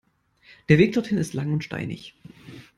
Der Weg dorthin ist lang und steinig.